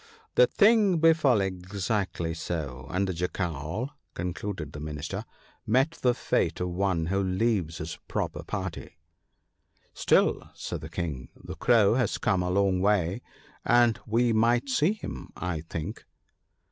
" The thing befell exactly so, and the Jackal," con cluded the Minister, " met the fate of one who leaves his proper party." " Still," said the King, " the Crow has come a long way, and we might see him, I think."